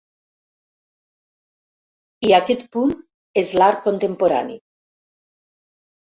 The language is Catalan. I aquest punt és l'art contemporani.